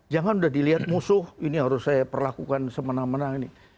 jangan udah dilihat musuh ini harus saya perlakukan semenang menang ini